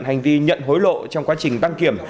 hành vi nhận hối lộ trong quá trình đăng kiểm